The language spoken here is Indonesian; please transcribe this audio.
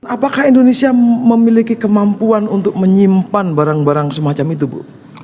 apakah indonesia memiliki kemampuan untuk menyimpan barang barang semacam itu bu